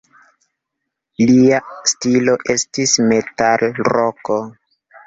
Lia stilo estis metalroko.